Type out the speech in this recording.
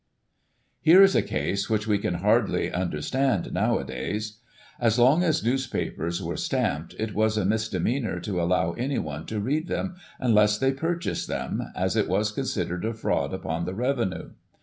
Here is a case which we can hardly understand nowadays. As long as Newspapers were stamped, it was a misdemeanour to allow anyone to read them, unless they purchased them, as it was considered a fraud upon the Revenue.